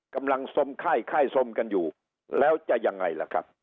กำลังสมไข้ไข้สมกันอยู่แล้วจะยังไงล่ะครับ